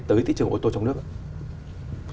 tới thị trường ô tô trong nước